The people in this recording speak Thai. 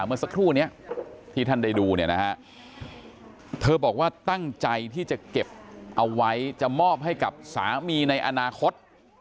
เมื่อสักครู่นี้ที่ท่านได้ดูเนี่ยนะฮะเธอบอกว่าตั้งใจที่จะเก็บเอาไว้จะมอบให้กับสามีในอนาคต